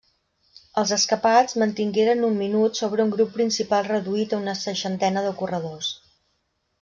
Els escapats mantingueren un minut sobre un grup principal reduït a una seixantena de corredors.